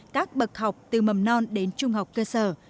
các bậc học từ mầm non đến trung học cơ sở